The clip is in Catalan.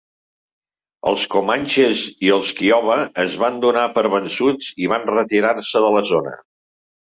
Els comanxes i els kiowa es van donar per vençuts i van retirar-se de la zona.